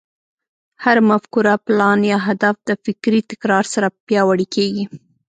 هره مفکوره، پلان، يا هدف د فکري تکرار سره پياوړی کېږي.